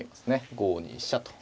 ５二飛車と。